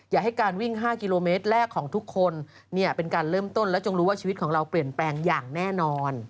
อย่าให้การวิ่ง๕กิโลเมตรแรกของทุกคนเนี่ยเป็นการเริ่มต้นและจงรู้ว่าชีวิตของเราเปลี่ยนแปลงอย่างแน่นอน